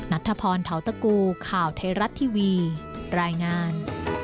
นัทธพรเทาตะกูข่าวไทยรัฐทีวีรายงาน